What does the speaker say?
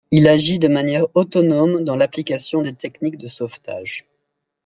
Il agit de manière autonome dans l'application des techniques de sauvetage.